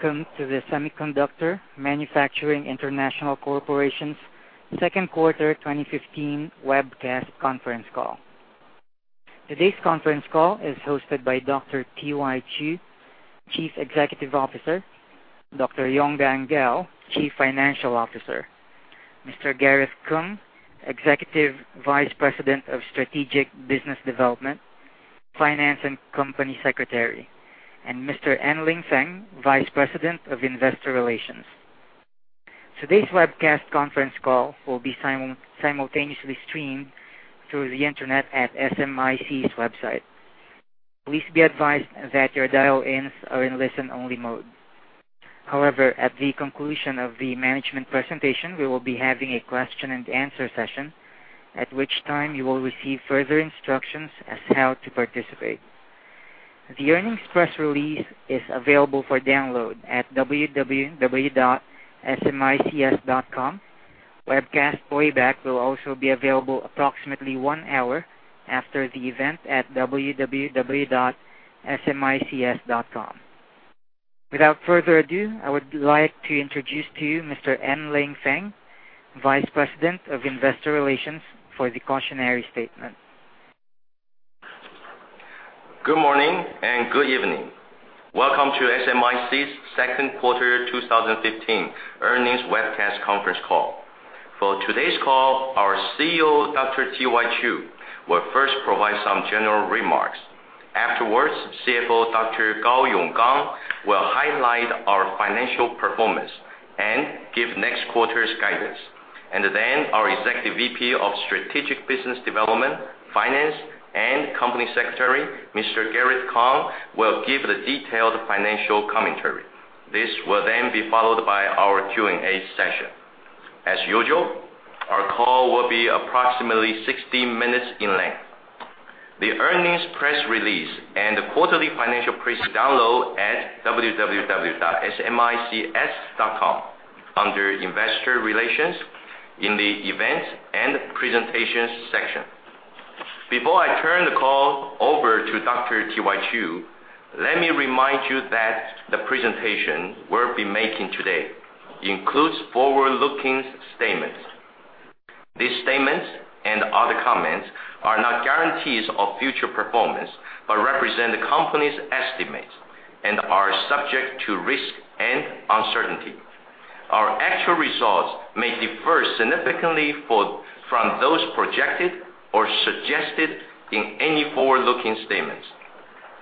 Welcome to the Semiconductor Manufacturing International Corporation's second quarter 2015 webcast conference call. Today's conference call is hosted by Dr. T.Y. Chiu, Chief Executive Officer, Dr. Gao Yonggang, Chief Financial Officer, Mr. Gareth Kung, Executive Vice President of Strategic Business Development, Finance, and Company Secretary, and Mr. Anling Feng, Vice President of Investor Relations. Today's webcast conference call will be simultaneously streamed through the internet at SMIC's website. Please be advised that your dial-ins are in listen-only mode. However, at the conclusion of the management presentation, we will be having a question-and-answer session, at which time you will receive further instructions as how to participate. The earnings press release is available for download at www.smics.com. Webcast playback will also be available approximately one hour after the event at www.smics.com. Without further ado, I would like to introduce to you Mr. Anling Feng, Vice President of Investor Relations, for the cautionary statement. Good morning and good evening. Welcome to SMIC's second quarter 2015 earnings webcast conference call. For today's call, our CEO, Dr. T.Y. Chiu, will first provide some general remarks. Afterwards, CFO, Dr. Gao Yonggang, will highlight our financial performance and give next quarter's guidance. Our Executive VP of Strategic Business Development, Finance, and Company Secretary, Mr. Gareth Kung, will give the detailed financial commentary. This will then be followed by our Q&A session. As usual, our call will be approximately 60 minutes in length. The earnings press release and the quarterly financial press download at www.smics.com under Investor Relations in the Events and Presentations section. Before I turn the call over to Dr. T.Y. Chiu, let me remind you that the presentation we'll be making today includes forward-looking statements. These statements and other comments are not guarantees of future performance, but represent the company's estimates and are subject to risk and uncertainty. Our actual results may differ significantly from those projected or suggested in any forward-looking statements.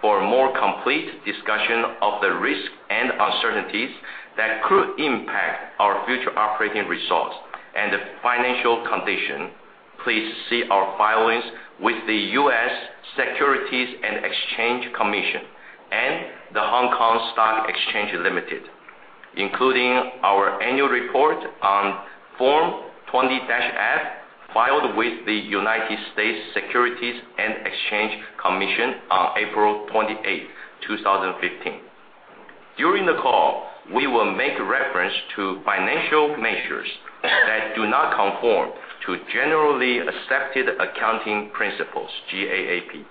For a more complete discussion of the risks and uncertainties that could impact our future operating results and financial condition, please see our filings with the U.S. Securities and Exchange Commission and The Stock Exchange of Hong Kong Limited, including our annual report on Form 20-F filed with the U.S. Securities and Exchange Commission on April 28, 2015. During the call, we will make reference to financial measures that do not conform to generally accepted accounting principles, GAAP.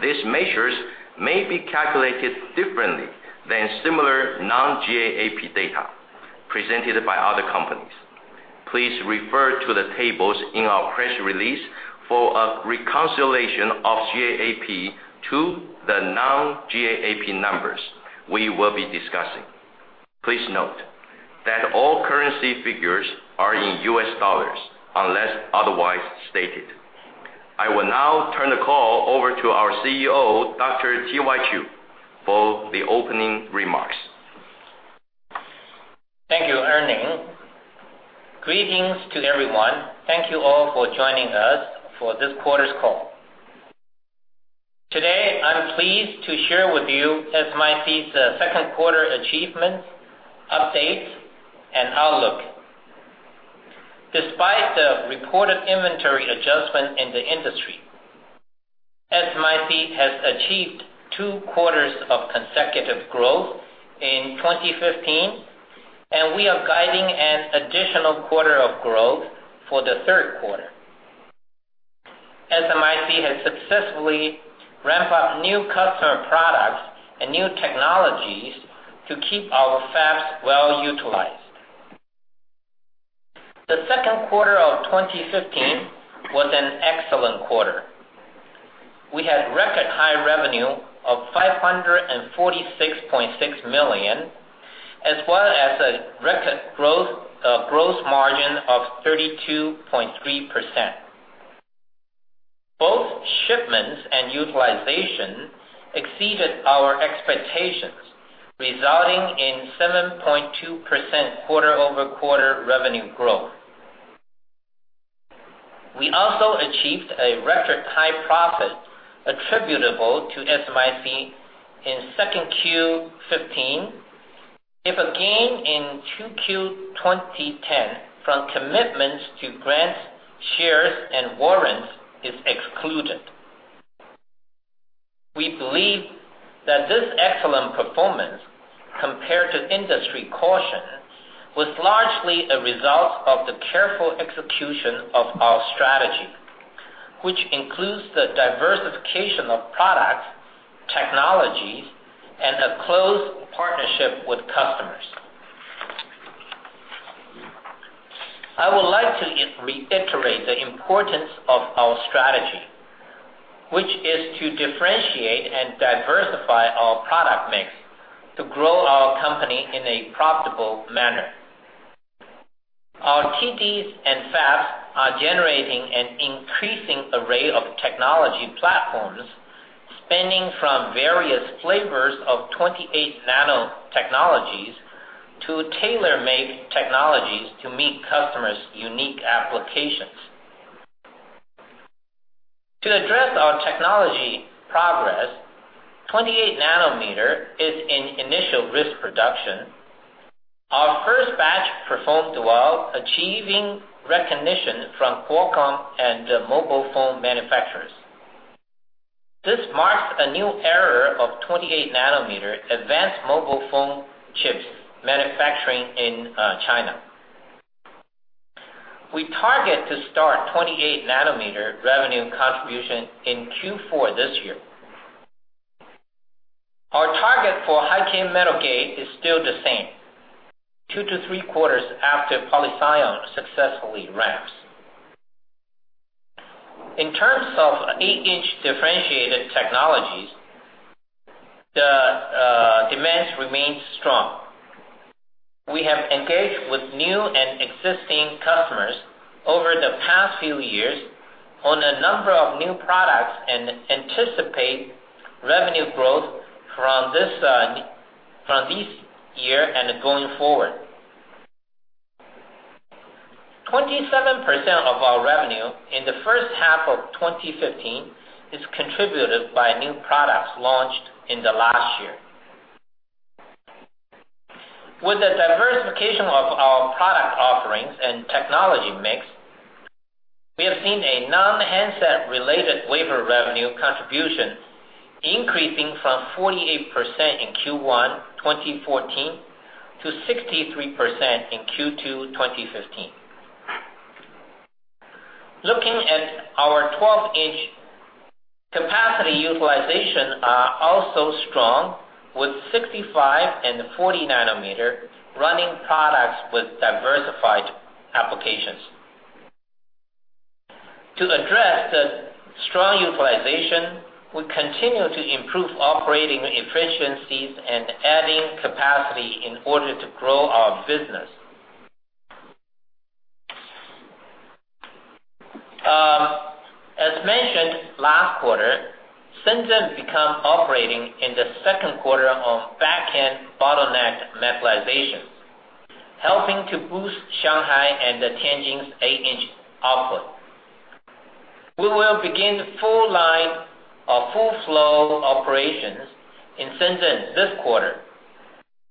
These measures may be calculated differently than similar non-GAAP data presented by other companies. Please refer to the tables in our press release for a reconciliation of GAAP to the non-GAAP numbers we will be discussing. Please note that all currency figures are in U.S. dollars, unless otherwise stated. I will now turn the call over to our CEO, Dr. T.Y. Chiu, for the opening remarks. Thank you, Anling. Greetings to everyone. Thank you all for joining us for this quarter's call. Today, I'm pleased to share with you SMIC's second quarter achievements, updates, and outlook. Despite the reported inventory adjustment in the industry, SMIC has achieved two quarters of consecutive growth in 2015, and we are guiding an additional quarter of growth for the third quarter. SMIC has successfully ramped up new customer products and new technologies to keep our fabs well utilized. The second quarter of 2015 was an excellent quarter. We had record high revenue of $546.6 million, as well as a record gross margin of 32.3%. Both shipments and utilization exceeded our expectations, resulting in 7.2% quarter-over-quarter revenue growth. We also achieved a record high profit attributable to SMIC in 2Q15. If a gain in 2Q 2010 from commitments to grant shares and warrants is excluded. We believe that this excellent performance, compared to industry caution, was largely a result of the careful execution of our strategy which includes the diversification of products, technologies, and a close partnership with customers. I would like to reiterate the importance of our strategy, which is to differentiate and diversify our product mix to grow our company in a profitable manner. Our TDs and fabs are generating an increasing array of technology platforms, spanning from various flavors of 28 nanometer technologies to tailor-made technologies to meet customers' unique applications. To address our technology progress, 28 nanometer is in initial risk production. Our first batch performed well, achieving recognition from Qualcomm and mobile phone manufacturers. This marks a new era of 28 nanometer advanced mobile phone chips manufacturing in China. We target to start 28 nanometer revenue contribution in Q4 this year. Our target for high-k metal gate is still the same, two to three quarters after polysilicon successfully ramps. In terms of 8-inch differentiated technologies, the demands remain strong. We have engaged with new and existing customers over the past few years on a number of new products, and anticipate revenue growth from this year and going forward. 27% of our revenue in the first half of 2015 is contributed by new products launched in the last year. With the diversification of our product offerings and technology mix, we have seen a non-handset related wafer revenue contribution increasing from 48% in Q1 2014 to 63% in Q2 2015. Looking at our 12-inch capacity utilization are also strong, with 65 and 40 nanometer running products with diversified applications. To address the strong utilization, we continue to improve operating efficiencies and adding capacity in order to grow our business. As mentioned, last quarter, Shenzhen began operating in the second quarter of back-end bottleneck metallization, helping to boost Shanghai and Tianjin's 8-inch output. We will begin the full line of full flow operations in Shenzhen this quarter.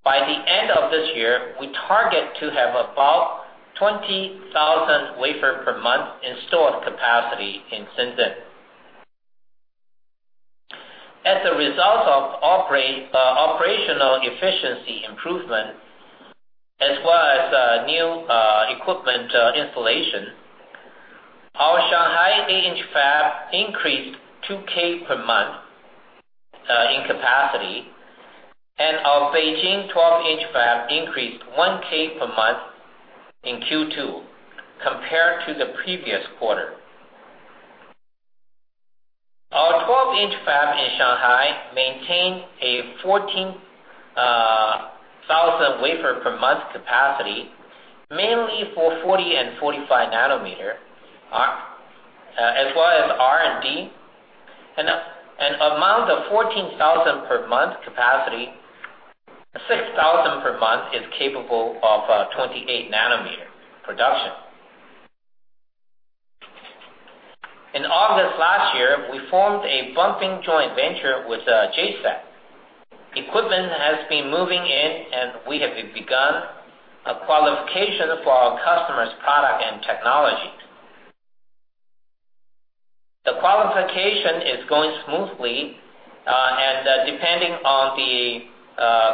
By the end of this year, we target to have about 20,000 wafer per month installed capacity in Shenzhen. As a result of operational efficiency improvement, as well as new equipment installation, our Shanghai 8-inch fab increased 2K per month in capacity, and our Beijing 12-inch fab increased 1K per month in Q2 compared to the previous quarter. Our 12-inch fab in Shanghai maintained a 14,000 wafer per month capacity, mainly for 40 and 45 nanometer, as well as R&D. Among the 14,000 per month capacity, 6,000 per month is capable of 28 nanometer production. In August last year, we formed a bumping joint venture with JCET. Equipment has been moving in and we have begun a qualification for our customer's product and technology. The qualification is going smoothly, and depending on the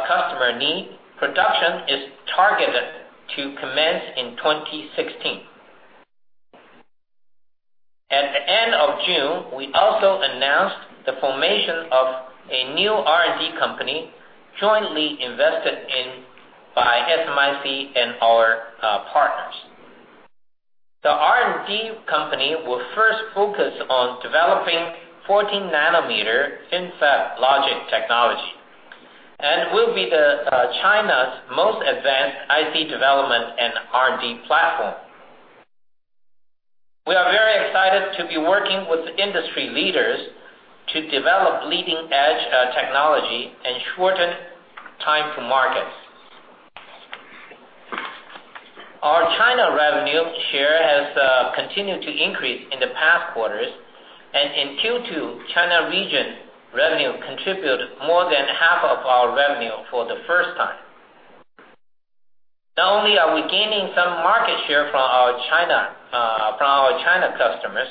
customer need, production is targeted to commence in 2016. At the end of June, we also announced the formation of a new R&D company jointly invested in by SMIC and our partners. The R&D company will first focus on developing 14 nanometer FinFET logic technology and will be China's most advanced IC development and R&D platform. We are very excited to be working with industry leaders to develop leading-edge technology and shorten time to markets. Our China revenue share has continued to increase in the past quarters, and in Q2, China region revenue contributed more than half of our revenue for the first time. Not only are we gaining some market share from our China customers,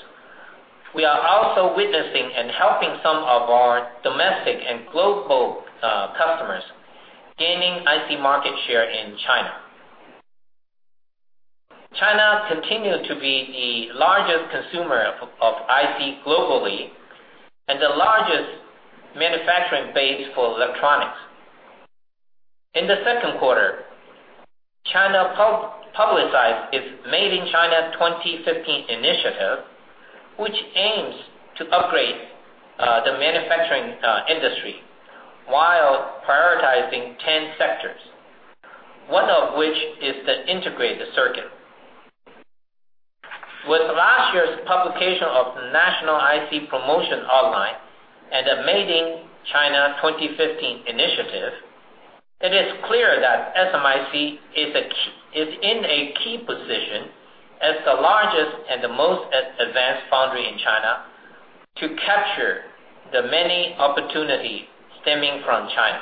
we are also witnessing and helping some of our domestic and global customers gaining IC market share in China. China continued to be the largest consumer of IC globally and the largest manufacturing base for electronics. In the second quarter, China publicized its Made in China 2025 initiative, which aims to upgrade the manufacturing industry while prioritizing 10 sectors, one of which is the integrated circuit. With last year's publication of the National IC Promotion Outline and the Made in China 2025 initiative, it is clear that SMIC is in a key position as the largest and the most advanced foundry in China to capture the many opportunities stemming from China.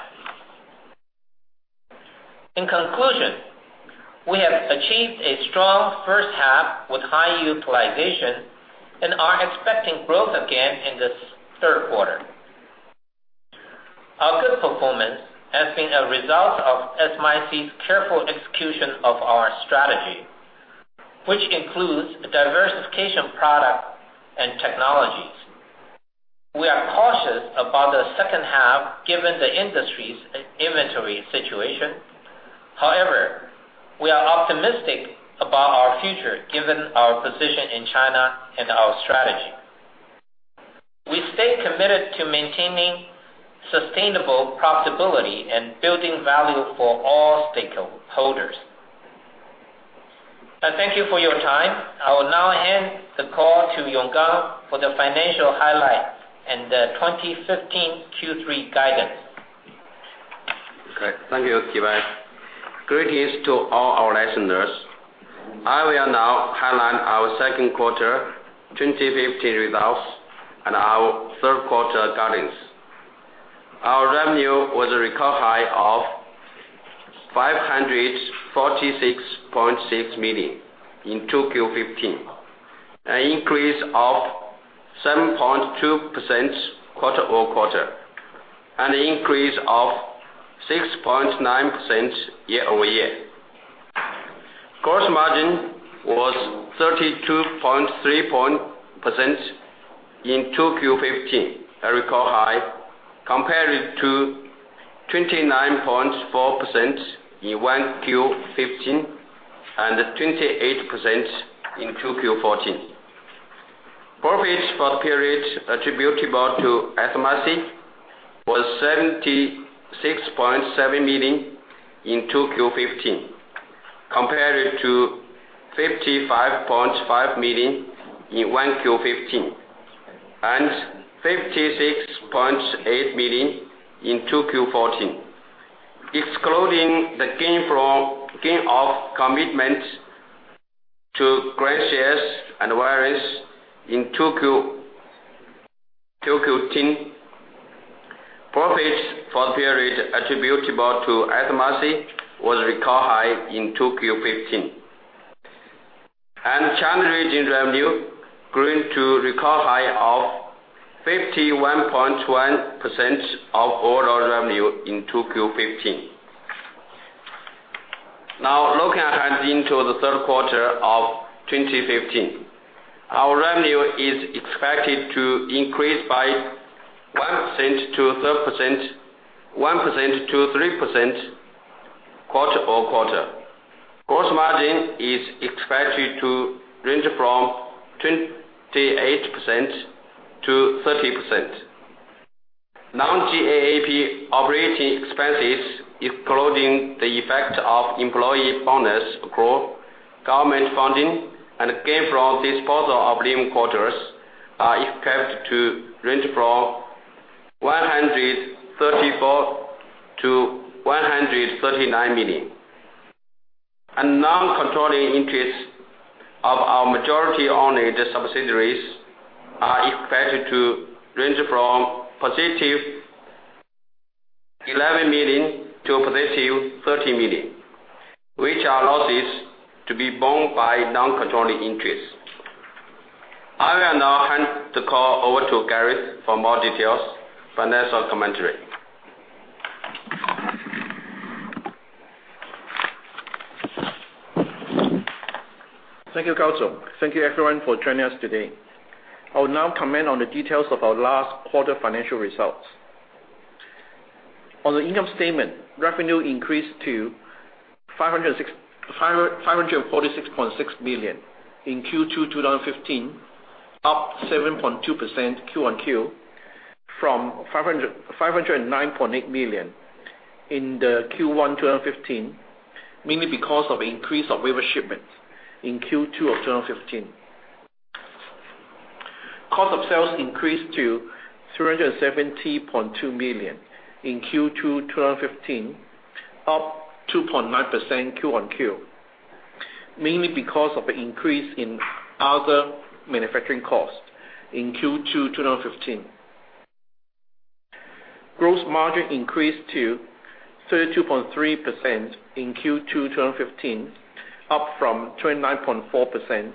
In conclusion, we have achieved a strong first half with high utilization and are expecting growth again in this third quarter. Our good performance has been a result of SMIC's careful execution of our strategy, which includes the diversification product and technologies. We are cautious about the second half, given the industry's inventory situation. However, we are optimistic about our future, given our position in China and our strategy. We stay committed to maintaining sustainable profitability and building value for all stakeholders. I thank you for your time. I will now hand the call to Yonggang for the financial highlight and the 2015 Q3 guidance. Okay. Thank you, Ki-byung. Greetings to all our listeners. I will now highlight our second quarter 2015 results and our third-quarter guidance. Our revenue was a record high of $546.6 million in 2Q15, an increase of 7.2% quarter-over-quarter, and an increase of 6.9% year-over-year. Gross margin was 32.3% in 2Q15, a record high, compared to 29.4% in 1Q15 and 28% in 2Q14. Profits for the period attributable to SMIC was $76.7 million in 2Q15, compared to $55.5 million in 1Q15 and $56.8 million in 2Q14. Excluding the gain of commitment to Griseos and Viris in 2Q15, profits for the period attributable to SMIC was a record high in 2Q15, and China region revenue grew to a record high of 51.1% of overall revenue in 2Q15. Looking ahead into the third quarter of 2015, our revenue is expected to increase by 1%-3% quarter-over-quarter. Gross margin is expected to range from 28%-30%. Non-GAAP operating expenses, excluding the effect of employee bonus accrual, government funding, and gain from disposal of living quarters, are expected to range from $134 million-$139 million. Non-controlling interests of our majority-owned subsidiaries are expected to range from positive $11 million to positive $30 million, which are losses to be borne by non-controlling interests. I will now hand the call over to Gareth for more details, financial commentary. Thank you, Gao. Thank you, everyone, for joining us today. I will now comment on the details of our last quarter financial results. On the income statement, revenue increased to $546.6 million in Q2 2015, up 7.2% Q on Q, from $509.8 million in the Q1 2015, mainly because of increase of wafer shipments in Q2 of 2015. Cost of sales increased to $370.2 million in Q2 2015, up 2.9% Q on Q, mainly because of the increase in other manufacturing costs in Q2 2015. Gross margin increased to 32.3% in Q2 2015, up from 29.4%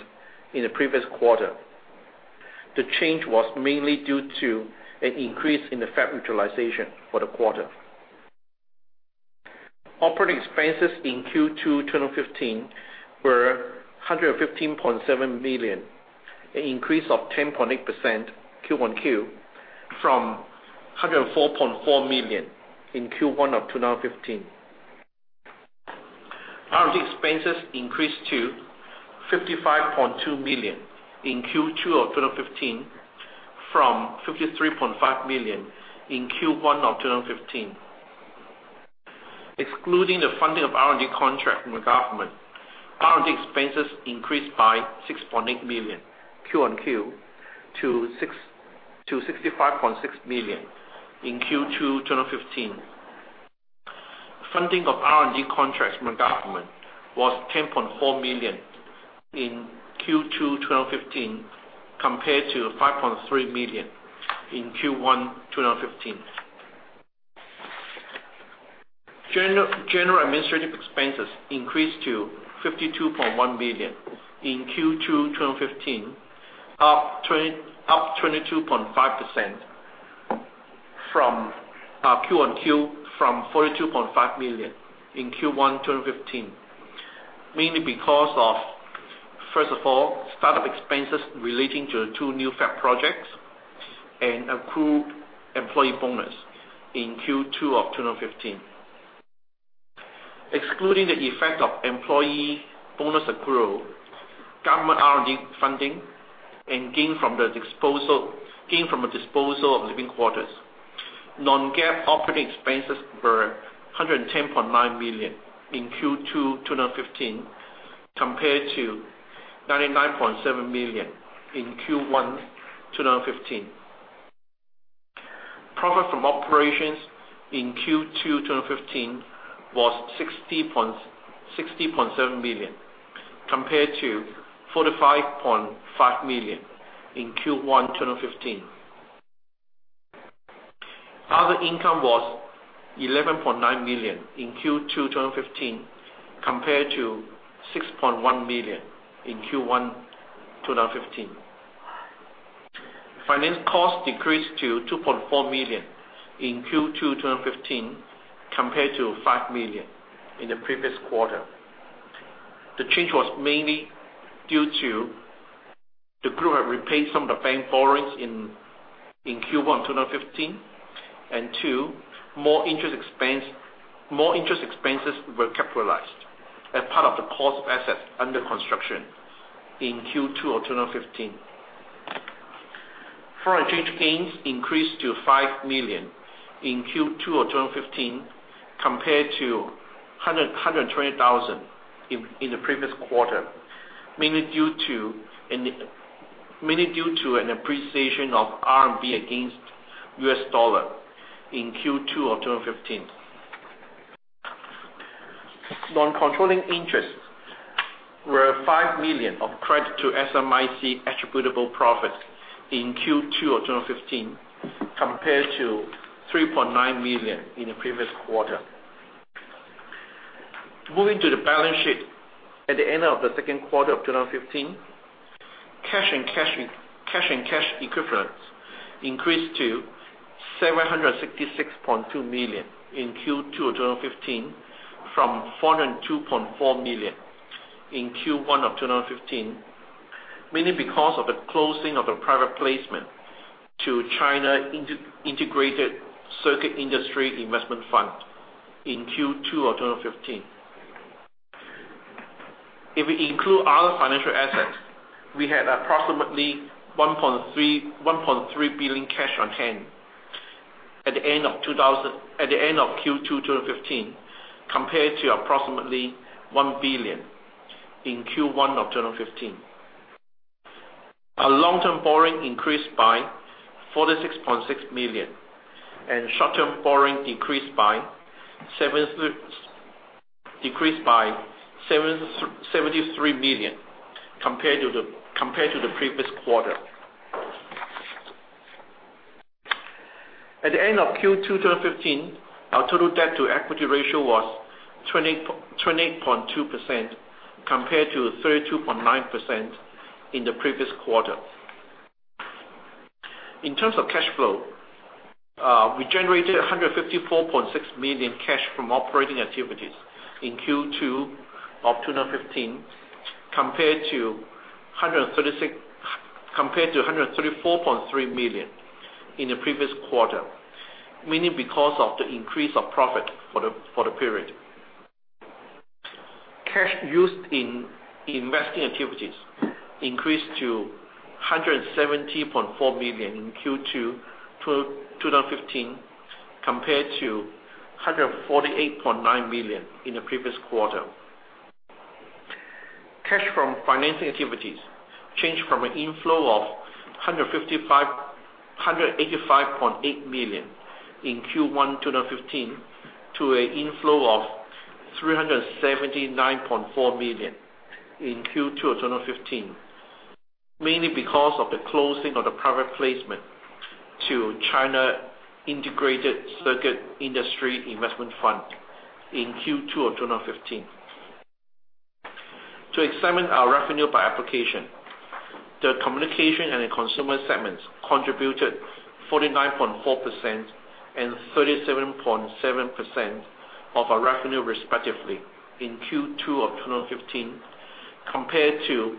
in the previous quarter. The change was mainly due to an increase in the fab utilization for the quarter. Operating expenses in Q2 2015 were $115.7 million, an increase of 10.8% Q1Q from $104.4 million in Q1 of 2015. R&D expenses increased to $55.2 million in Q2 of 2015 from $53.5 million in Q1 of 2015. Excluding the funding of R&D contract from the government, R&D expenses increased by $6.8 million Q1Q to $65.6 million in Q2 2015. Funding of R&D contracts from the government was $10.4 million in Q2 2015, compared to $5.3 million in Q1 2015. General administrative expenses increased to $52.1 million in Q2 2015, up 22.5% Q1Q from $42.5 million in Q1 2015. Mainly because of, first of all, startup expenses relating to the two new fab projects and accrued employee bonus in Q2 of 2015. Excluding the effect of employee bonus accrual, government R&D funding, and gain from the disposal of living quarters, Non-GAAP operating expenses were $110.9 million in Q2 2015, compared to $99.7 million in Q1 2015. Profit from operations in Q2 2015 was $60.7 million, compared to $45.5 million in Q1 2015. Other income was $11.9 million in Q2 2015, compared to $6.1 million in Q1 2015. Finance cost decreased to $2.4 million in Q2 2015, compared to $5 million in the previous quarter. The change was mainly due to the group have repaid some of the bank borrowings in Q1 2015, two, more interest expenses were capitalized as part of the cost of assets under construction in Q2 of 2015. Foreign exchange gains increased to $5 million in Q2 of 2015, compared to $120,000 in the previous quarter, mainly due to an appreciation of RMB against U.S. dollar in Q2 of 2015. Non-controlling interests were $5 million of credit to SMIC attributable profits in Q2 of 2015, compared to $3.9 million in the previous quarter. Moving to the balance sheet. At the end of the second quarter of 2015, cash and cash equivalents increased to $766.2 million in Q2 of 2015 from $402.4 million in Q1 of 2015, mainly because of the closing of the private placement to China Integrated Circuit Industry Investment Fund in Q2 of 2015. If we include other financial assets, we had approximately $1.3 billion cash on hand at the end of Q2 2015, compared to approximately $1 billion in Q1 of 2015. Our long-term borrowing increased by $46.6 million and short-term borrowing decreased by $73 million compared to the previous quarter. At the end of Q2 2015, our total debt-to-equity ratio was 28.2%, compared to 32.9% in the previous quarter. In terms of cash flow, we generated $154.6 million cash from operating activities in Q2 of 2015, compared to $134.3 million in the previous quarter, mainly because of the increase of profit for the period. Cash used in investing activities increased to $170.4 million in Q2 2015, compared to $148.9 million in the previous quarter. Cash from financing activities changed from an inflow of $185.8 million in Q1 2015 to an inflow of $379.4 million in Q2 of 2015, mainly because of the closing of the private placement to China Integrated Circuit Industry Investment Fund in Q2 of 2015. To examine our revenue by application, the communication and consumer segments contributed 49.4% and 37.7% of our revenue, respectively, in Q2 of 2015, compared to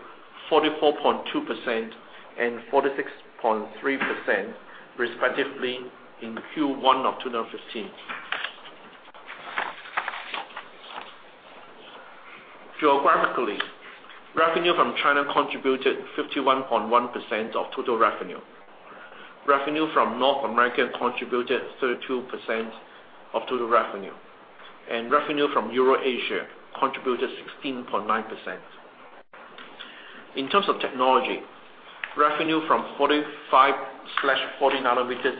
44.2% and 46.3%, respectively, in Q1 of 2015. Geographically, revenue from China contributed 51.1% of total revenue. Revenue from North America contributed 32% of total revenue, and revenue from Eurasia contributed 16.9%. In terms of technology, revenue from 45/40 nanometers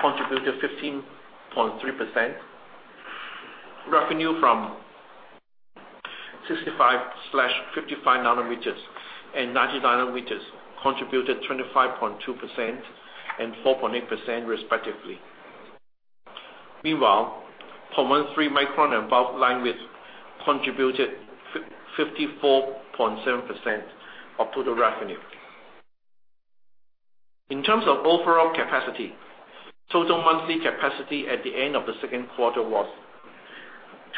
contributed 15.3%. Revenue from 65/55 nanometers and 90 nanometers contributed 25.2% and 4.8%, respectively. Meanwhile, 123 micron and above line width contributed 54.7% of total revenue. In terms of overall capacity, total monthly capacity at the end of the second quarter was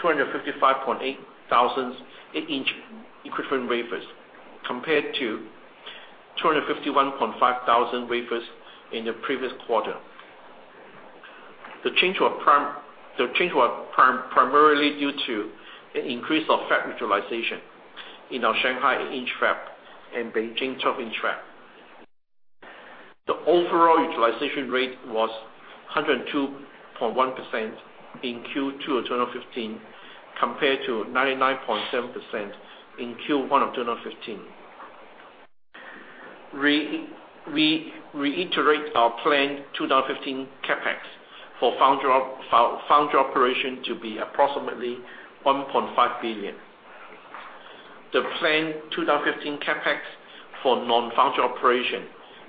255.8 thousand eight-inch equivalent wafers, compared to 251.5 thousand wafers in the previous quarter. The change was primarily due to an increase of fab utilization in our Shanghai inch fab and Beijing 12-inch fab. The overall utilization rate was 102.1% in Q2 of 2015, compared to 99.7% in Q1 of 2015. We reiterate our planned 2015 CapEx for foundry operation to be approximately $1.5 billion. The planned 2015 CapEx for non-foundry operation,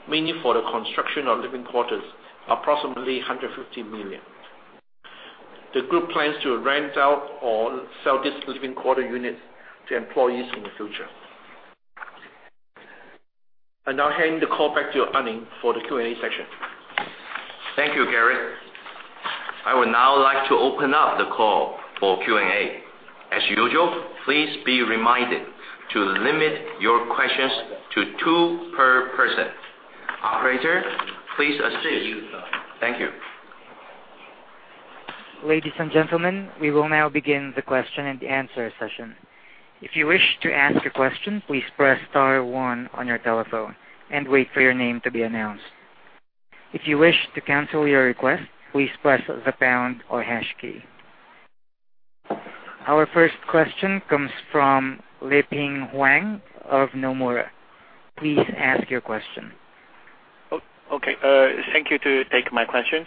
mainly for the construction of living quarters, approximately $150 million. The group plans to rent out or sell these living quarter units to employees in the future. I now hand the call back to Anling for the Q&A session. Thank you, Gareth. I would now like to open up the call for Q&A. As usual, please be reminded to limit your questions to two per person. Operator, please assist. Thank you. Ladies and gentlemen, we will now begin the question and answer session. If you wish to ask a question, please press star one on your telephone and wait for your name to be announced. If you wish to cancel your request, please press the pound or hash key. Our first question comes from Leping Huang of Nomura. Please ask your question. Thank you to take my question.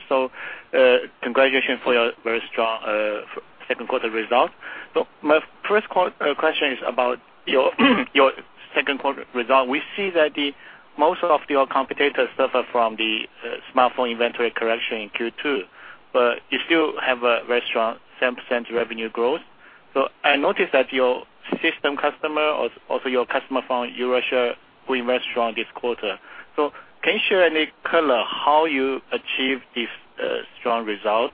Congratulations for your very strong second quarter results. My first question is about your second quarter result. We see that most of your competitors suffer from the smartphone inventory correction in Q2, but you still have a very strong 10% revenue growth. I noticed that your system customer, also your customer from Eurasia, went very strong this quarter. Can you share any color how you achieved this strong result?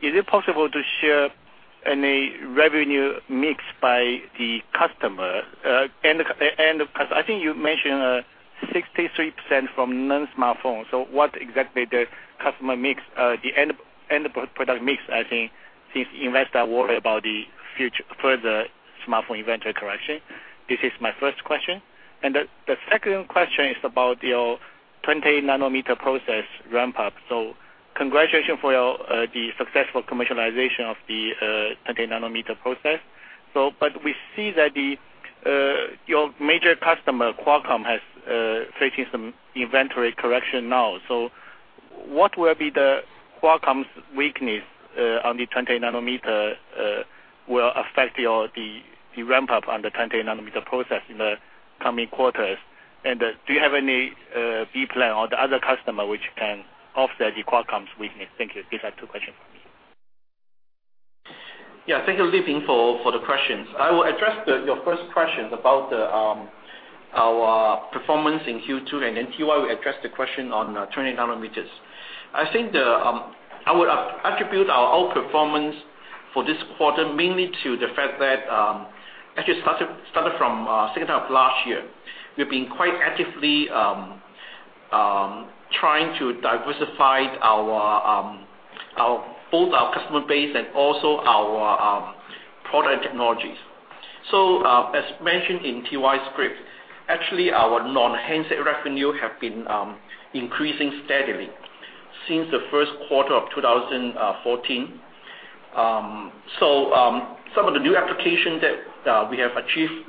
Is it possible to share any revenue mix by the customer? I think you mentioned 63% from non-smartphone. What exactly the customer mix, the end product mix, I think, since investors are worried about the further smartphone inventory correction. This is my first question. The second question is about your 28 nanometer process ramp-up. Congratulations for the successful commercialization of the 28 nanometer process. We see that your major customer, Qualcomm, has facing some inventory correction now. What will be the Qualcomm's weakness on the 28 nanometer will affect the ramp-up on the 28 nanometer process in the coming quarters? Do you have any B plan or the other customer which can offset the Qualcomm's weakness? Thank you. These are two questions for me. Thank you, Leping, for the questions. I will address your first question about our performance in Q2, then Tzu-Yin Chiu will address the question on 20 nanometer. I think I would attribute our outperformance for this quarter mainly to the fact that, actually, started from second half of last year. We've been quite actively trying to diversify both our customer base and also our product technologies. As mentioned in Tzu-Yin Chiu's script, actually, our non-handset revenue have been increasing steadily since the first quarter of 2014. Some of the new applications that we have achieved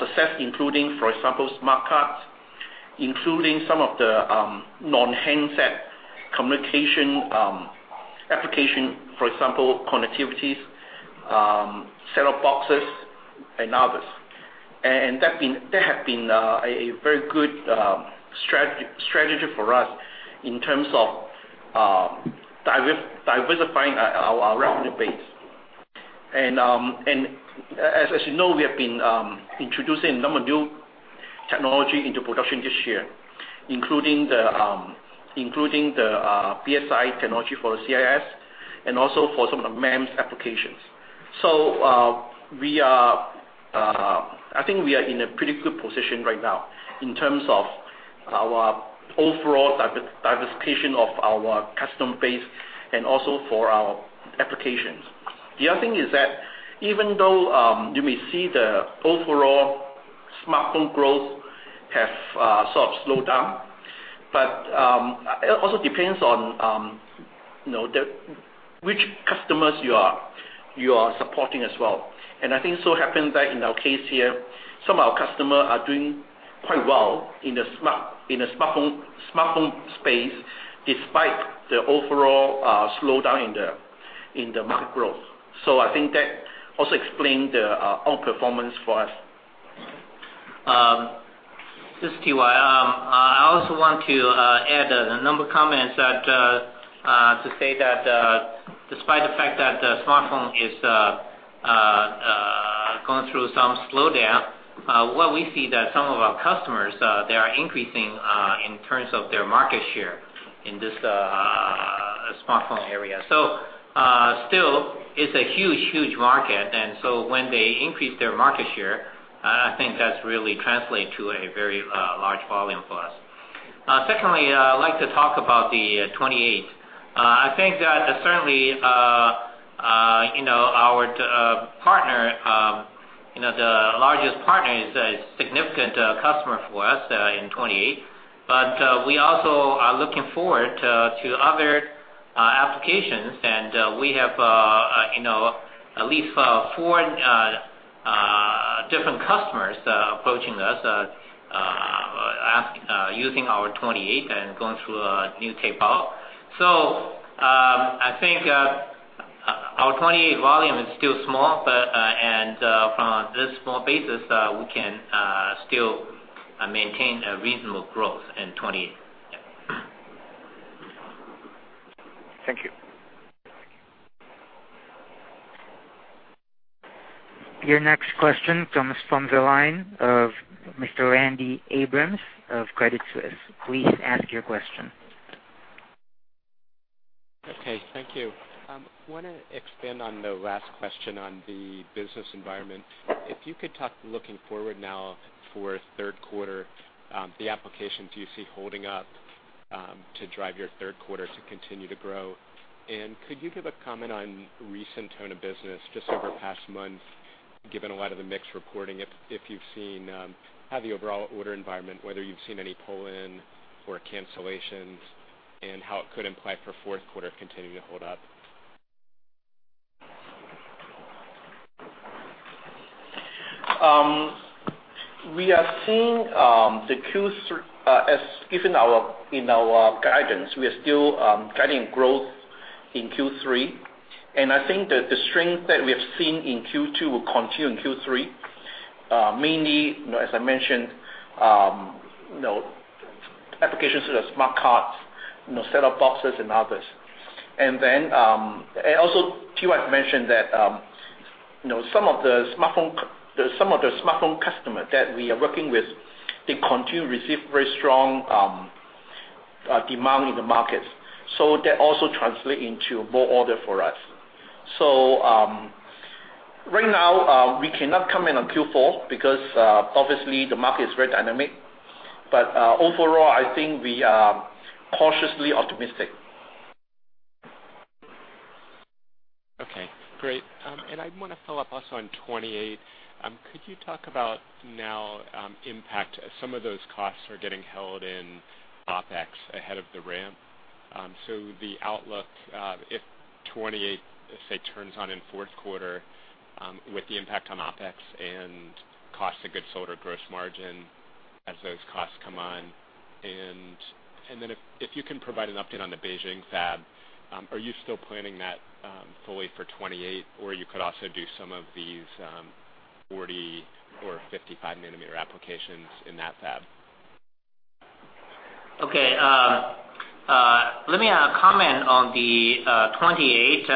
success, including, for example, smart cards, including some of the non-handset communication application, for example, connectivities, set-top boxes, and others. That had been a very good strategy for us in terms of diversifying our revenue base. As you know, we have been introducing a number of new technology into production this year, including the BSI technology for CIS and also for some of the MEMS applications. I think we are in a pretty good position right now in terms of our overall diversification of our customer base and also for our applications. The other thing is that even though you may see the overall smartphone growth have sort of slowed down, it also depends on which customers you are supporting as well. I think it so happens that in our case here, some of our customers are doing quite well in the smartphone space, despite the overall slowdown in the market growth. I think that also explains the outperformance for us. This is Tzu-Yin Chiu. I also want to add a number of comments to say that despite the fact that the smartphone is going through some slowdown, what we see that some of our customers, they are increasing in terms of their market share in this smartphone area. Still, it's a huge market, when they increase their market share, I think that's really translate to a very large volume for us. Secondly, I'd like to talk about the 28. I think that certainly our partner, the largest partner, is a significant customer for us in 28. We also are looking forward to other applications, and we have at least four different customers approaching us, using our 28 and going through a new tape out. I think our 28 volume is still small, from this small basis, we can still maintain a reasonable growth in 28. Thank you. Your next question comes from the line of Mr. Randy Abrams of Credit Suisse. Please ask your question. Okay, thank you. I want to expand on the last question on the business environment. If you could talk looking forward now for third quarter, the applications you see holding up to drive your third quarter to continue to grow. Could you give a comment on recent tone of business just over the past month, given a lot of the mixed reporting, if you've seen how the overall order environment, whether you've seen any pull-in or cancellations, and how it could imply for fourth quarter continuing to hold up? We are seeing as given in our guidance, we are still guiding growth in Q3. I think that the strength that we have seen in Q2 will continue in Q3. Mainly, as I mentioned, applications to the smart cards, set-top boxes, and others. Also, Ty mentioned that some of the smartphone customers that we are working with, they continue to receive very strong demand in the market. That also translates into more orders for us. Right now, we cannot comment on Q4 because obviously the market is very dynamic. Overall, I think we are cautiously optimistic. Okay, great. I want to follow up also on 28. Could you talk about now impact as some of those costs are getting held in OpEx ahead of the ramp? The outlook, if 28, let's say, turns on in fourth quarter with the impact on OpEx and cost of goods sold or gross margin as those costs come on. Then if you can provide an update on the Beijing fab, are you still planning that fully for 28? You could also do some of these 40 or 55 nanometer applications in that fab. Okay. Let me comment on the 28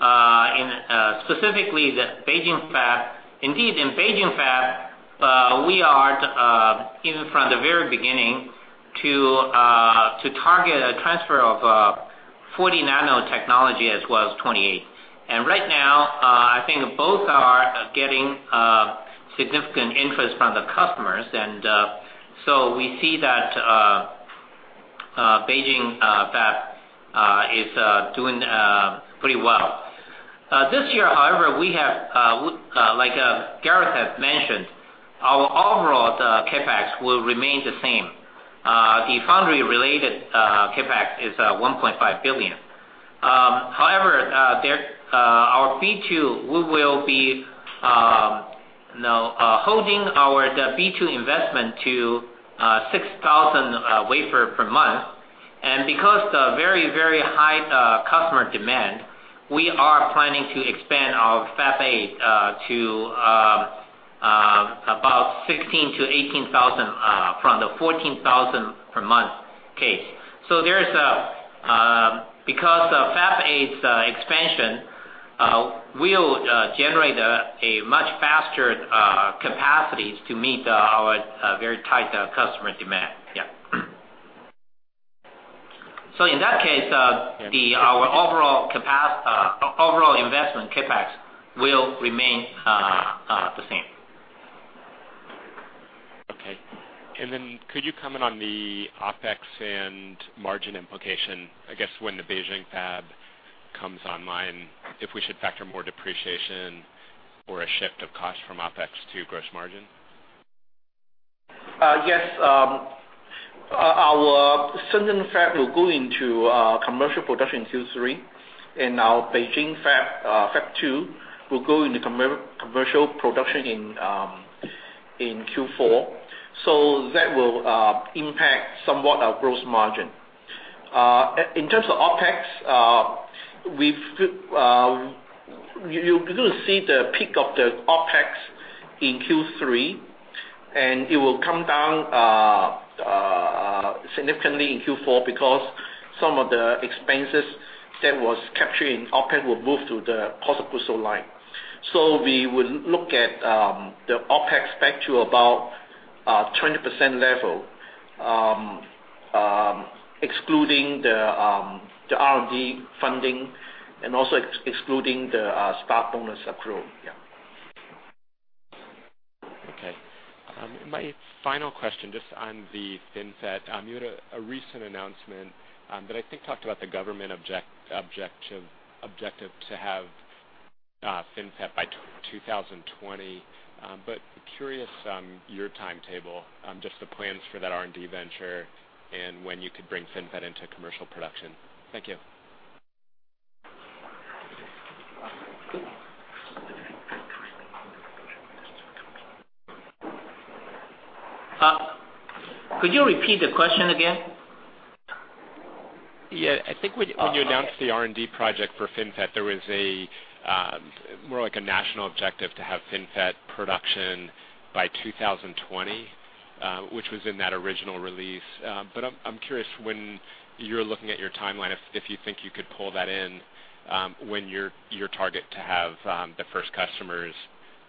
nanometer, and specifically the Beijing Fab. Indeed, in Beijing Fab, we are even from the very beginning to target a transfer of 40 nanometer technology as well as 28 nanometer. Right now, I think both are getting significant interest from the customers, so we see that Beijing Fab is doing pretty well. This year, however, like Gareth has mentioned, our overall CapEx will remain the same. The foundry-related CapEx is $1.5 billion. However, our P2, we will be holding The B2 investment to 6,000 wafer per month. Because of the very high customer demand, we are planning to expand our Fab 8 to about 16,000 to 18,000 from the 14,000 per month case. Because Fab 8 expansion will generate a much faster capacity to meet our very tight customer demand. Yeah. In that case- Yeah our overall investment CapEx will remain the same. Okay. Then could you comment on the OpEx and margin implication, I guess, when the Beijing Fab comes online, if we should factor more depreciation or a shift of cost from OpEx to gross margin? Yes. Our Shenzhen Fab will go into commercial production in Q3, and our Beijing Fab 2, will go into commercial production in Q4. That will impact somewhat our gross margin. In terms of OpEx, you're going to see the peak of the OpEx in Q3, and it will come down significantly in Q4 because some of the expenses that was captured in OpEx will move to the cost of goods sold line. We will look at the OpEx back to about 20% level, excluding the R&D funding and also excluding the stock bonus accrual. Yeah. Okay. My final question, just on the FinFET. You had a recent announcement that I think talked about the government objective to have FinFET by 2020. Curious on your timetable, just the plans for that R&D venture and when you could bring FinFET into commercial production. Thank you. Could you repeat the question again? Yeah. I think when you announced the R&D project for FinFET, there was more like a national objective to have FinFET production by 2020, which was in that original release. I'm curious when you're looking at your timeline, if you think you could pull that in, when your target to have the first customers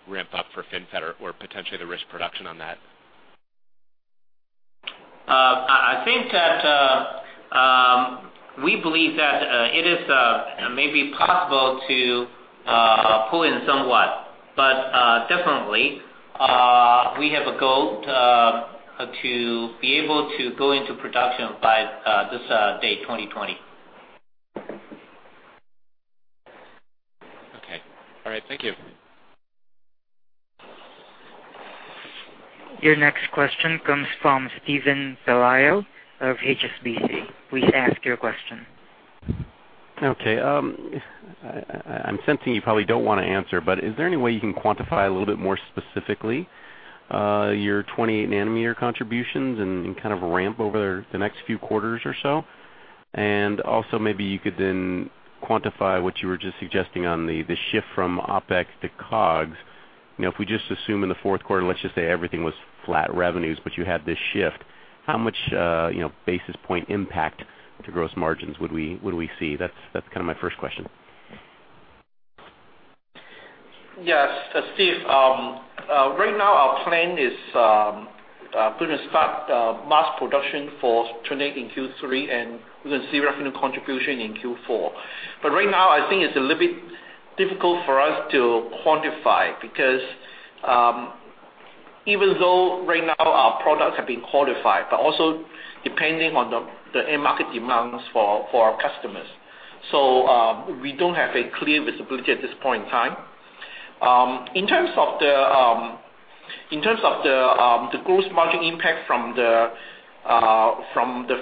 ramp up for FinFET or potentially the risk production on that. I think that we believe that it is maybe possible to pull in somewhat. Definitely, we have a goal to be able to go into production by this day 2020. Okay. All right. Thank you. Your next question comes from Steven Tseng of HSBC. Please ask your question. Okay. I'm sensing you probably don't want to answer, is there any way you can quantify a little bit more specifically your 28 nanometer contributions and kind of ramp over the next few quarters or so? Also, maybe you could then quantify what you were just suggesting on the shift from OpEx to COGS. If we just assume in the fourth quarter, let's just say everything was flat revenues, but you had this shift. How much basis point impact to gross margins would we see? That's kind of my first question. Yes, Steven, right now our plan is going to start mass production for 28 in Q3, we're going to see revenue contribution in Q4. Right now, I think it's a little bit difficult for us to quantify, because even though right now our products have been qualified, but also depending on the end market demands for our customers. We don't have a clear visibility at this point in time. In terms of the gross margin impact from the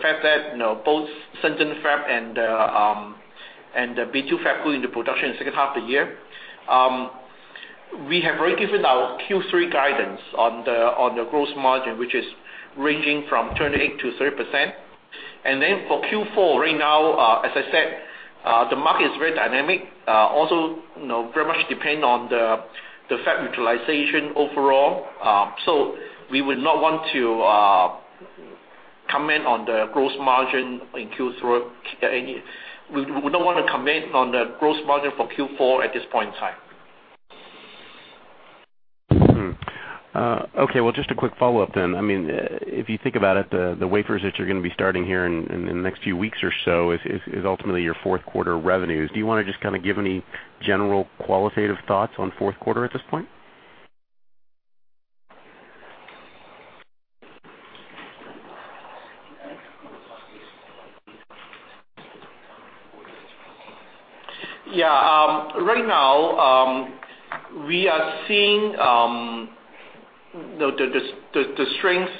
fact that both Shenzhen Fab and the B2 Fab go into production in the second half of the year, we have already given our Q3 guidance on the gross margin, which is ranging from 28%-30%. For Q4, right now, as I said, the market is very dynamic. Also, very much depend on the fab utilization overall. We would not want to comment on the gross margin for Q4 at this point in time. Okay. Well, just a quick follow-up then. If you think about it, the wafers that you're going to be starting here in the next few weeks or so is ultimately your fourth quarter revenues. Do you want to just give any general qualitative thoughts on fourth quarter at this point? Right now, we are seeing the strength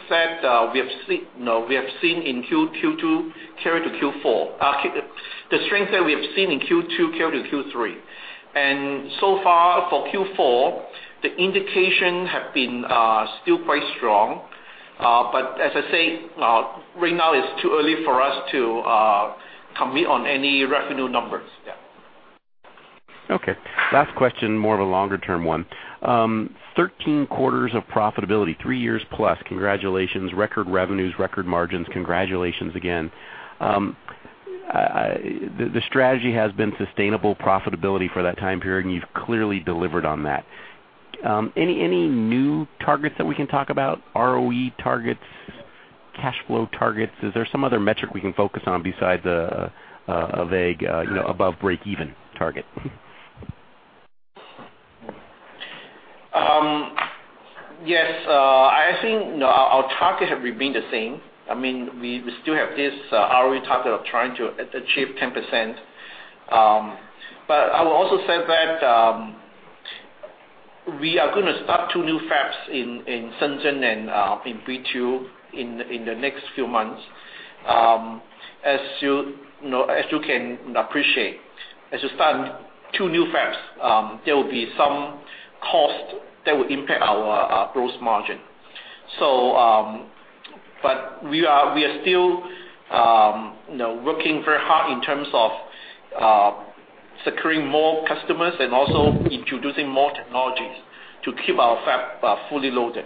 that we have seen in Q2 carry to Q3. So far for Q4, the indications have been still quite strong. As I say, right now it's too early for us to commit on any revenue numbers. Okay. Last question, more of a longer term one. 13 quarters of profitability, three years plus, congratulations. Record revenues, record margins, congratulations again. The strategy has been sustainable profitability for that time period, and you've clearly delivered on that. Any new targets that we can talk about? ROE targets, cash flow targets? Is there some other metric we can focus on besides a vague above break-even target? Yes. I think our target have remained the same. We still have this ROE target of trying to achieve 10%. I will also say that, we are going to start two new fabs in Shenzhen and in P2, in the next few months. As you can appreciate, as you start two new fabs, there will be some cost that will impact our gross margin. We are still working very hard in terms of securing more customers and also introducing more technologies to keep our fab fully loaded.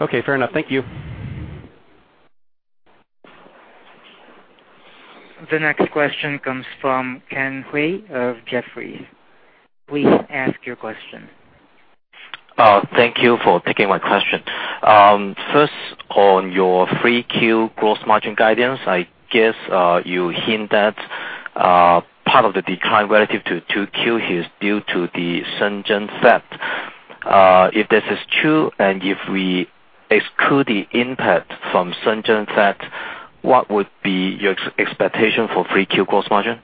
Okay, fair enough. Thank you. The next question comes from Ken Hui of Jefferies. Please ask your question. Thank you for taking my question. First, on your 3Q gross margin guidance, I guess, you hint that, part of the decline relative to 2Q is due to the Shenzhen fab. If this is true, and if we exclude the impact from Shenzhen fab, what would be your expectation for 3Q gross margin?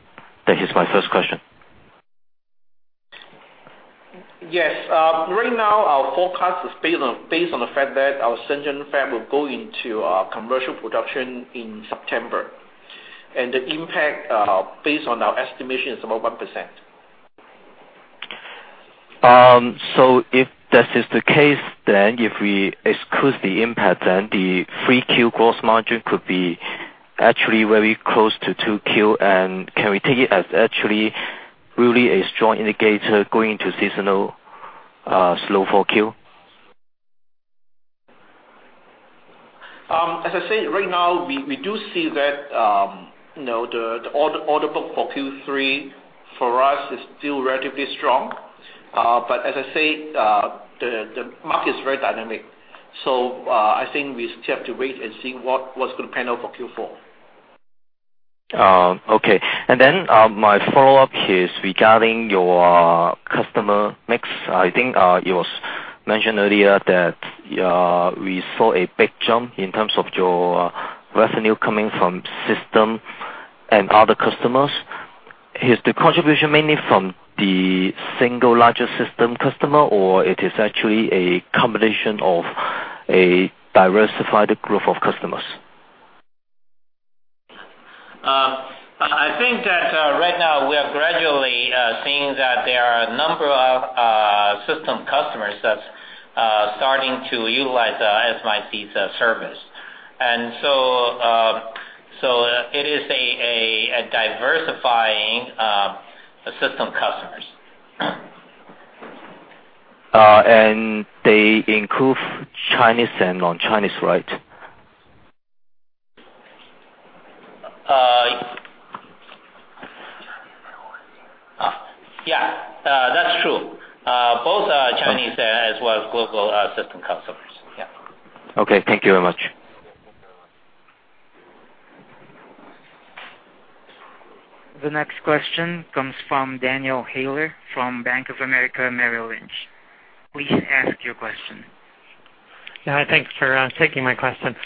That is my first question. Yes. Right now, our forecast is based on the fact that our Shenzhen fab will go into commercial production in September. The impact, based on our estimation, is about 1%. If this is the case, then if we exclude the impact, then the 3Q gross margin could be actually very close to 2Q, and can we take it as actually really a strong indicator going into seasonal slow 4Q? As I said, right now, we do see that the order book for Q3 for us is still relatively strong. As I said, the market is very dynamic. I think we still have to wait and see what's going to pan out for Q4. My follow-up is regarding your customer mix. I think it was mentioned earlier that we saw a big jump in terms of your revenue coming from system and other customers. Is the contribution mainly from the single largest system customer, or it is actually a combination of a diversified group of customers? I think that right now we are gradually seeing that there are a number of system customers that's starting to utilize SMIC's service. It is a diversifying system customers. They include Chinese and non-Chinese, right? Yeah. That's true. Both are Chinese as well as global system customers. Yeah. Okay, thank you very much. The next question comes from Daniel Heyler from Bank of America Merrill Lynch. Please ask your question. Yeah, thanks for taking my question.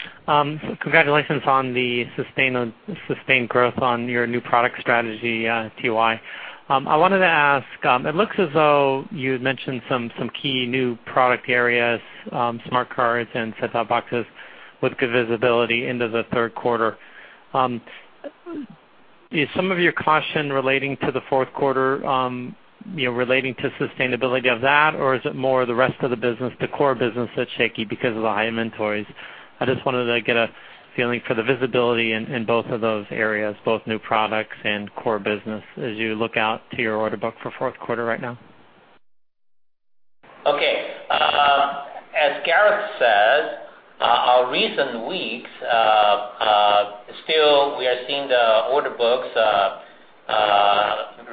Congratulations on the sustained growth on your new product strategy, TY. I wanted to ask, it looks as though you had mentioned some key new product areas, smart cards and set-top boxes with good visibility into the third quarter. Is some of your caution relating to the fourth quarter relating to sustainability of that, or is it more the rest of the business, the core business that's shaky because of the high inventories? I just wanted to get a feeling for the visibility in both of those areas, both new products and core business, as you look out to your order book for fourth quarter right now. Okay. As Gareth said, our recent weeks, still we are seeing the order books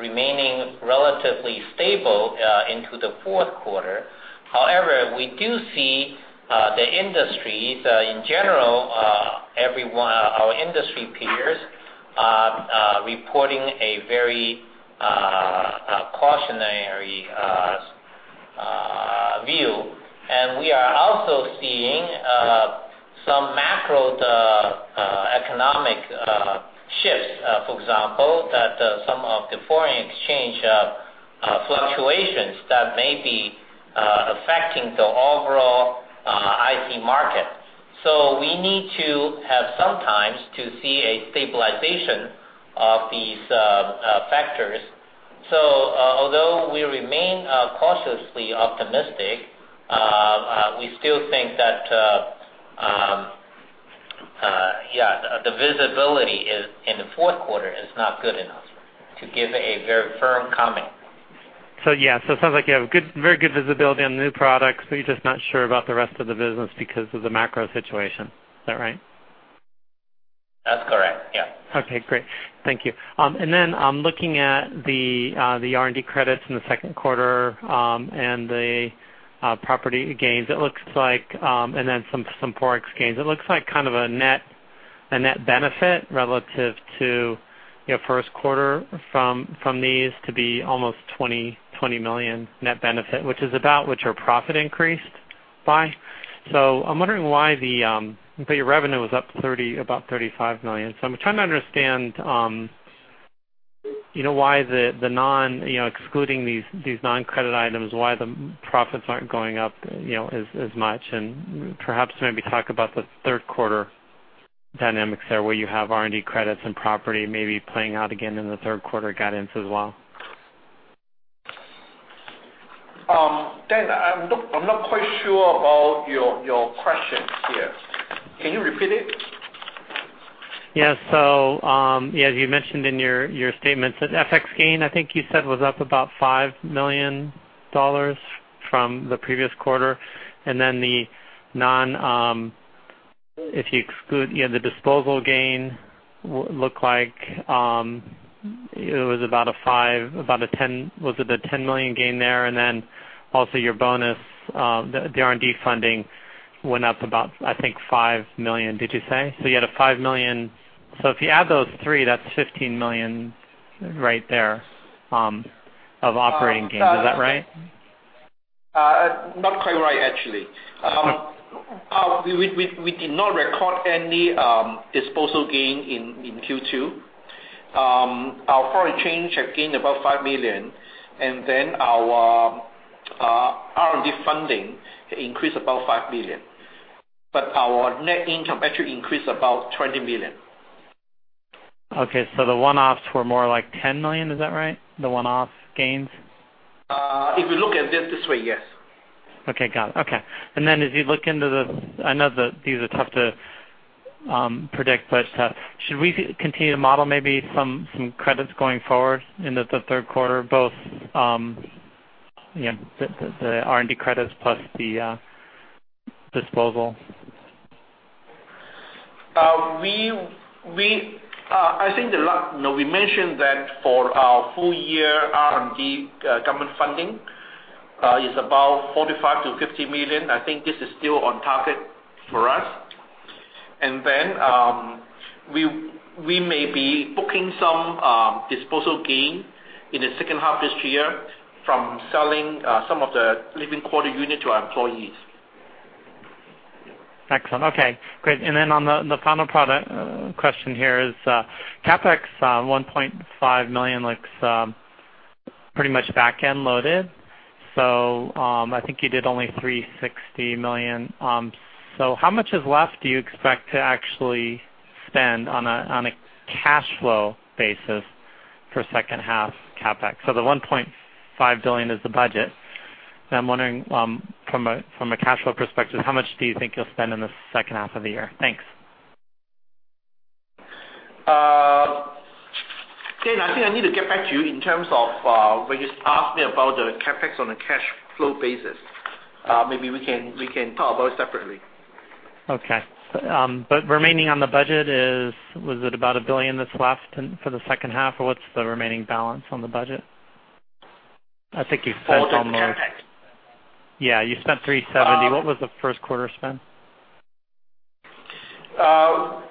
remaining relatively stable into the fourth quarter. However, we do see the industries, in general, our industry peers, reporting a very cautionary view. We are also seeing some macroeconomic shifts, for example, that some of the foreign exchange fluctuations that may be affecting the overall IC market. We need to have some time to see a stabilization of these factors. Although we remain cautiously optimistic, we still think that the visibility in the fourth quarter is not good enough to give a very firm comment. Yeah. It sounds like you have very good visibility on new products, but you're just not sure about the rest of the business because of the macro situation. Is that right? That's correct. Yeah. Okay, great. Thank you. Looking at the R&D credits in the second quarter, and the property gains, and then some Forex gains. It looks like a net benefit relative to first quarter from these to be almost $20 million net benefit, which is about what your profit increased by. I'm wondering why, but your revenue was up about $35 million. I'm trying to understand, excluding these non-credit items, why the profits aren't going up as much. Perhaps maybe talk about the third quarter dynamics there, where you have R&D credits and property maybe playing out again in the third quarter guidance as well. Dan, I'm not quite sure about your question here. Can you repeat it? Yeah. As you mentioned in your statements, that FX gain, I think you said, was up about $5 million from the previous quarter. The non, if you exclude the disposal gain, looked like it was about a $10 million gain there. Also your bonus, the R&D funding went up about, I think, $5 million, did you say? You had a $5 million. If you add those three, that's $15 million right there of operating gains. Is that right? Not quite right, actually. Okay. We did not record any disposal gain in Q2. Our foreign change had gained about $5 million, Our R&D funding increased about $5 million. Our net income actually increased about $20 million. The one-offs were more like $10 million. Is that right? The one-off gains. If you look at it this way, yes. Okay, got it. Okay. As you look into I know that these are tough to predict, but should we continue to model maybe some credits going forward into the third quarter, both the R&D credits plus the disposal? I think that we mentioned that for our full year R&D, government funding is about $45 million-$50 million. I think this is still on target for us. We may be booking some disposal gain in the second half this year from selling some of the living quarter unit to our employees. Excellent. Okay, great. On the final product question here is, CapEx, $1.5 billion looks pretty much back-end loaded. I think you did only $360 million. How much is left do you expect to actually spend on a cash flow basis for second half CapEx? The $1.5 billion is the budget. I'm wondering, from a cash flow perspective, how much do you think you'll spend in the second half of the year? Thanks. Dan, I think I need to get back to you in terms of when you asked me about the CapEx on a cash flow basis. Maybe we can talk about it separately. Remaining on the budget is, was it about $1 billion that's left for the second half, or what's the remaining balance on the budget? For the CapEx? Yeah, you spent $370. What was the first quarter spend? The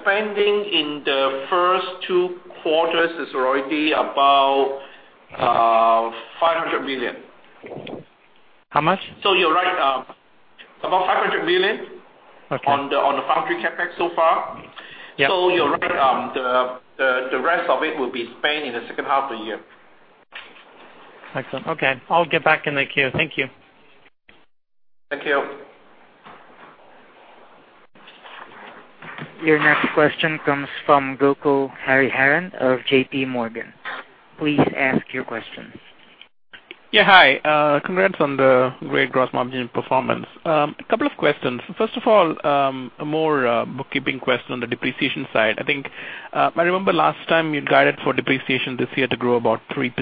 spending in the first two quarters is already about $500 million. How much? You're right. About $500 million. Okay on the foundry CapEx so far. Yep. You're right, the rest of it will be spent in the second half of the year. Excellent. Okay. I'll get back in the queue. Thank you. Thank you. Your next question comes from Gokul Hariharan of J.P. Morgan. Please ask your question. Hi. Congrats on the great gross margin performance. A couple of questions. First of all, a more bookkeeping question on the depreciation side. I remember last time you guided for depreciation this year to grow about 3%.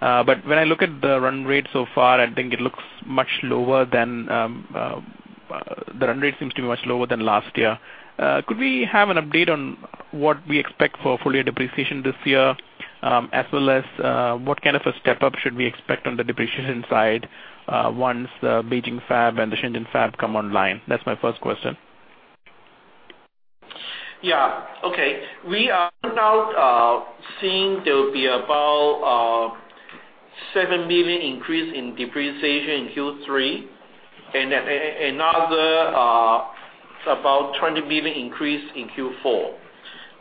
When I look at the run rate so far, the run rate seems to be much lower than last year. Could we have an update on what we expect for full year depreciation this year? As well as what kind of a step up should we expect on the depreciation side once the Beijing fab and the Shenzhen fab come online? That's my first question. We are now seeing there will be about $7 million increase in depreciation in Q3. Another about $20 million increase in Q4.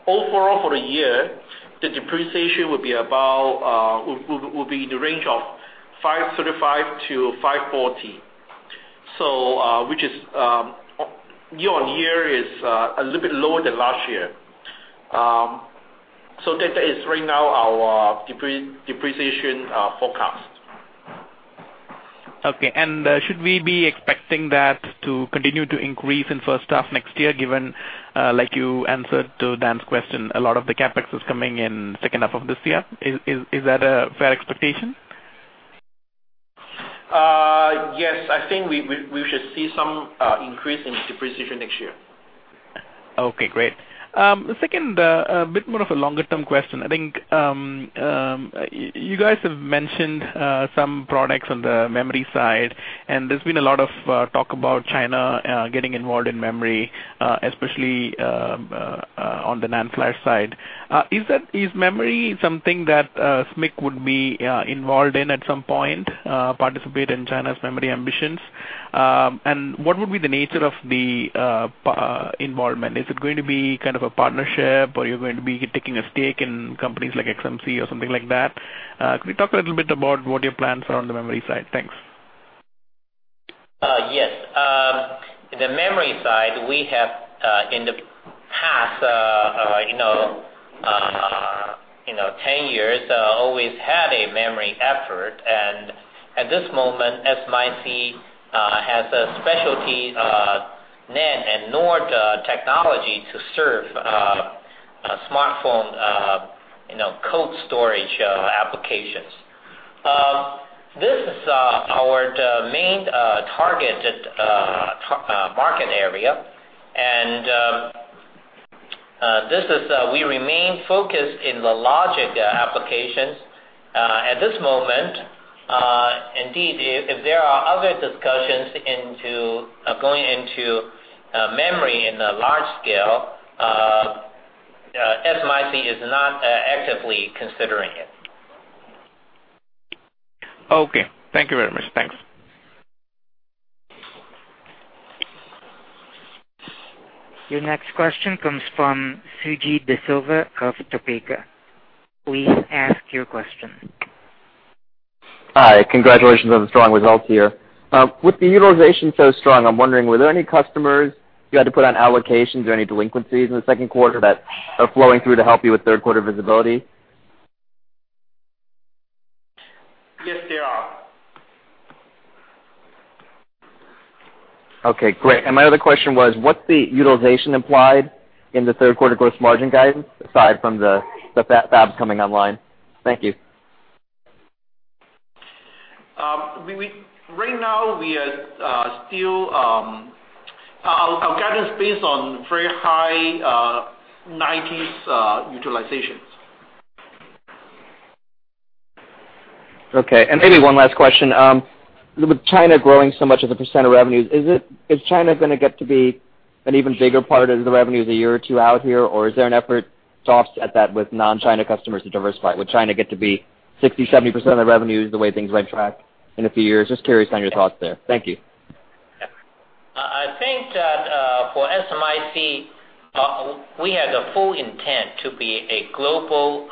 Overall for the year, the depreciation will be in the range of $535 million-$540 million. Year-on-year is a little bit lower than last year. That is right now our depreciation forecast. Should we be expecting that to continue to increase in first half next year, given, like you answered to Dan's question, a lot of the CapEx is coming in second half of this year. Is that a fair expectation? Yes, we should see some increase in depreciation next year. Okay, great. Second, a bit more of a longer-term question. I think you guys have mentioned some products on the memory side. There's been a lot of talk about China getting involved in memory, especially on the NAND side. Is memory something that SMIC would be involved in at some point, participate in China's memory ambitions? What would be the nature of the involvement? Is it going to be kind of a partnership, or you're going to be taking a stake in companies like XMC or something like that? Could you talk a little bit about what your plans are on the memory side? Thanks. Yes. The memory side, we have in the past 10 years, always had a memory effort, and at this moment, SMIC has a specialty, NAND and NOR technology to serve smartphone cold storage applications. This is our main targeted market area. We remain focused in the logic applications. At this moment, indeed, if there are other discussions going into memory in a large scale, SMIC is not actively considering it. Okay. Thank you very much. Thanks. Your next question comes from Sujeet De Silva of Topeka. Please ask your question. Hi. Congratulations on the strong results here. With the utilization so strong, I'm wondering, were there any customers you had to put on allocations or any delinquencies in the second quarter that are flowing through to help you with third quarter visibility? Yes, there are. Okay, great. My other question was, what's the utilization implied in the third quarter gross margin guidance aside from the fab coming online? Thank you. Right now, our guidance based on very high nineties utilizations. Okay. Maybe one last question. With China growing so much as a % of revenues, is China going to get to be an even bigger part of the revenues a year or two out here? Or is there an effort to offset that with non-China customers to diversify? Would China get to be 60%-70% of the revenues the way things went track in a few years? Just curious on your thoughts there. Thank you. I think that for SMIC, we have the full intent to be a global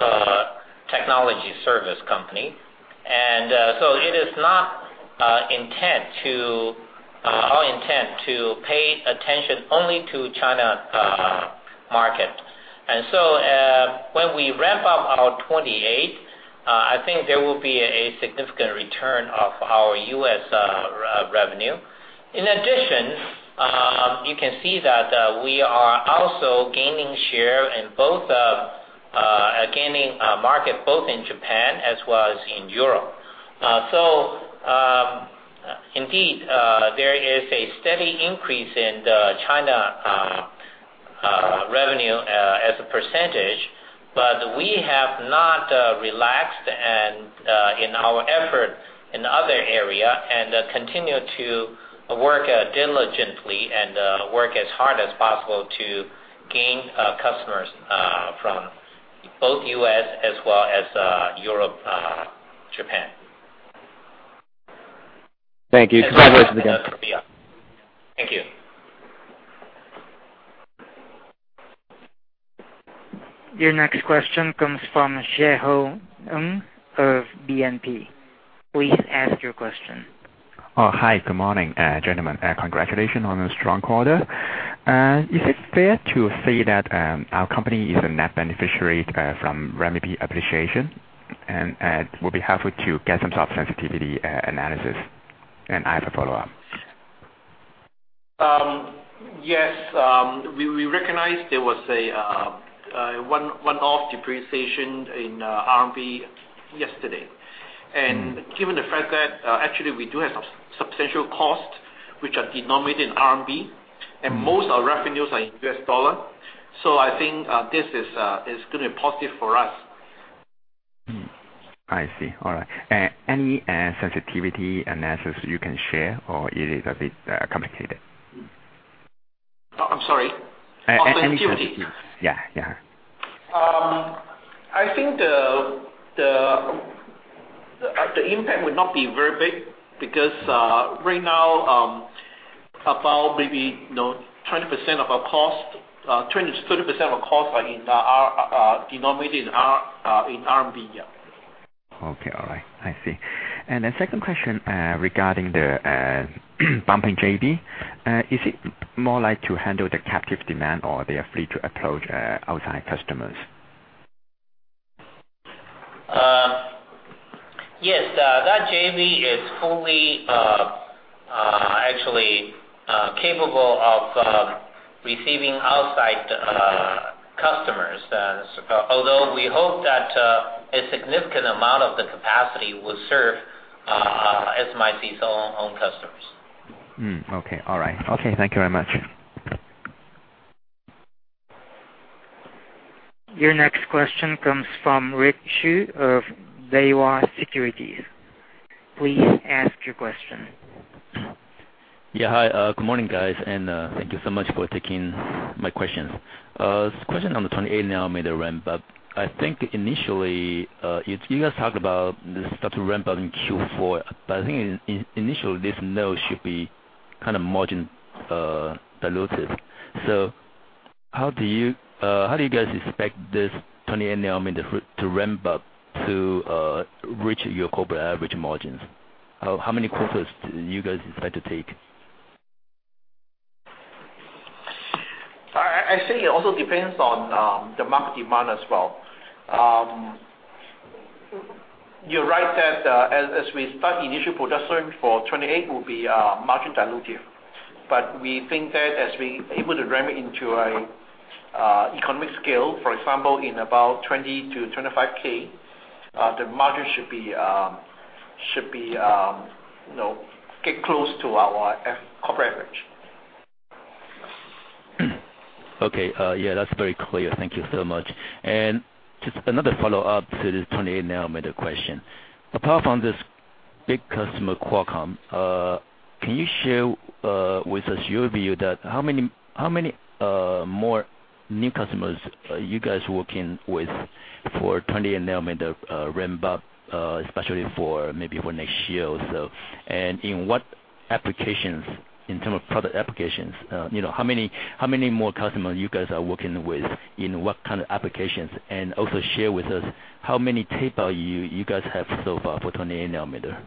technology service company. It is not our intent to pay attention only to China market. When we ramp up our 28, I think there will be a significant return of our U.S. revenue. In addition, you can see that we are also gaining share and gaining market both in Japan as well as in Europe. Indeed, there is a steady increase in the China revenue as a %, we have not relaxed in our effort in other area and continue to work diligently and work as hard as possible to gain customers from both U.S. as well as Europe, Japan. Thank you. Thank you. Your next question comes from Xie Hao Ng of BNP. Please ask your question. Hi. Good morning, gentlemen. Congratulations on a strong quarter. Is it fair to say that our company is a net beneficiary from renminbi appreciation? It will be helpful to get some sensitivity analysis. I have a follow-up. Yes. We recognize there was a one-off depreciation in RMB yesterday. Given the fact that actually we do have substantial costs which are denominated in RMB, and most of our revenues are in US dollar, I think this is going to be positive for us. I see. All right. Any sensitivity analysis you can share, or is it a bit complicated? I'm sorry. Any sensitivity. Sensitivity. Yeah. I think the impact would not be very big because right now, about maybe 20% of our cost, 20%-30% of our costs are denominated in RMB. Okay. All right. I see. The second question regarding the bumping JV, is it more like to handle the captive demand, or they are free to approach outside customers? Yes. That JV is fully actually capable of receiving outside customers. Although we hope that a significant amount of the capacity will serve SMIC's own customers. Okay. All right. Okay. Thank you very much. Your next question comes from Rick Hsu of Daiwa Securities. Please ask your question. Yeah. Hi. Good morning, guys, and thank you so much for taking my questions. This question on the 28 nanometer ramp-up. I think initially, you guys talked about this start to ramp up in Q4, but I think initially, this node should be kind of margin dilutive. How do you guys expect this 28 nanometer to ramp up to reach your corporate average margins? How many quarters do you guys expect to take? It also depends on the market demand as well. You're right that as we start initial production for 28, it will be margin dilutive. We think that as we are able to ramp into an economic scale, for example, in about 20K-25K, the margin should get close to our corporate average. Okay. Yeah, that's very clear. Thank you so much. Just another follow-up to the 28 nanometer question. Apart from this big customer, Qualcomm, can you share with us your view that how many more new customers are you guys working with for 28 nanometer ramp-up, especially maybe for next year or so, and in what applications in terms of product applications? How many more customers you guys are working with in what kind of applications? Also share with us how many tape-out you guys have so far for 28 nanometer.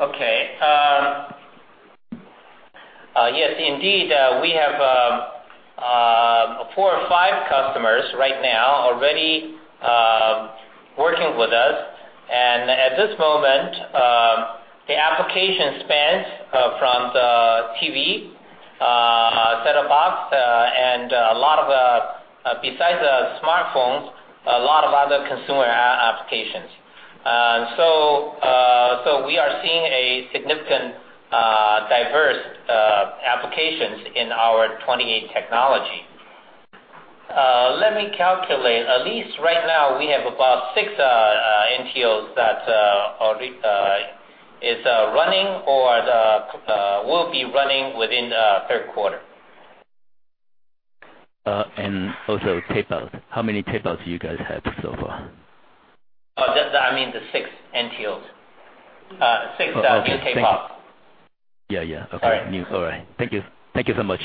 Okay. Yes, indeed, we have four or five customers right now already working with us. At this moment, the application spans from the TV set-top box, besides the smartphones, a lot of other consumer applications. We are seeing a significant diverse applications in our 28 technology. Let me calculate. At least right now, we have about six NTOs that is running or will be running within the third quarter. Also tape-outs. How many tape-outs do you guys have so far? I mean, the six NTOs. Six tape-outs. Yeah. Okay. Sorry. All right. Thank you so much.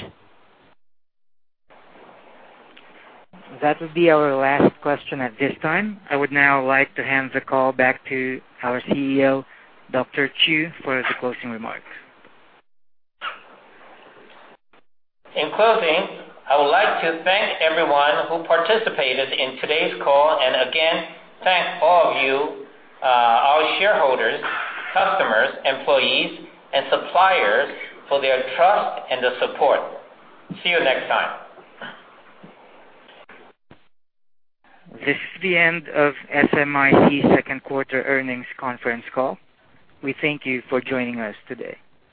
That would be our last question at this time. I would now like to hand the call back to our CEO, Dr. Chu, for the closing remarks. In closing, I would like to thank everyone who participated in today's call, and again, thank all of you, our shareholders, customers, employees, and suppliers for their trust and support. See you next time. This is the end of SMIC's second quarter earnings conference call. We thank you for joining us today.